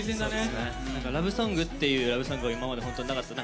ラブソングっていうラブソングは今まで本当になかった。